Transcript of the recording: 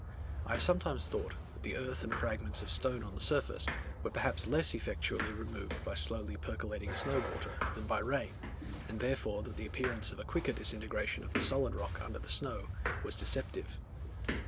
I have sometimes thought, that the earth and fragments of stone on the surface, were perhaps less effectually removed by slowly percolating snow water than by rain, and therefore that the appearance of a quicker disintegration of the solid rock under the snow, was deceptive.